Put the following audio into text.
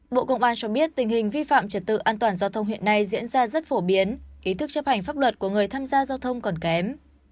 bộ công an cho biết tình hình vi phạm trật tự an toàn giao thông hiện nay diễn ra rất phổ biến ý thức chấp hành pháp luật của người tham gia giao thông còn kém